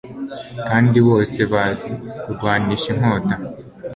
kandi bose bazi kurwanisha inkota